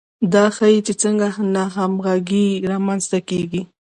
دا ښيي چې څنګه ناهمغږي رامنځته کیږي.